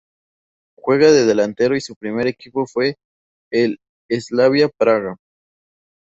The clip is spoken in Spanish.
Juega de delantero y su primer equipo fue el Slavia Praga.